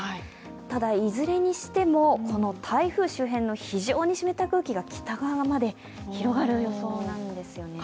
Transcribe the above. ただ、いずれにしてもこの台風周辺の非常に湿った空気が北側まで広がる予想なんですよね。